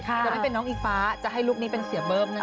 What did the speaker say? จะไม่เป็นน้องอิงฟ้าจะให้ลุคนี้เป็นเสียเบิ้มนะคะ